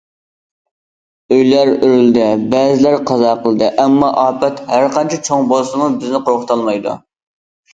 ئۆيلەر ئۆرۈلدى، بەزىلەر قازا قىلدى، ئەمما ئاپەت ھەر قانچە چوڭ بولسىمۇ بىزنى قورقۇتالمايدۇ.